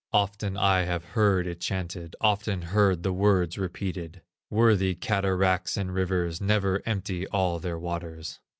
Often I have heard it chanted, Often heard the words repeated: "Worthy cataracts and rivers Never empty all their waters."